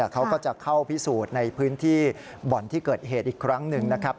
เขาก็จะเข้าพิสูจน์ในพื้นที่บ่อนที่เกิดเหตุอีกครั้งหนึ่งนะครับ